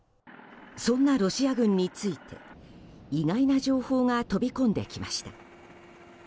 そんな、ロシア軍について意外な情報が飛び込んできました。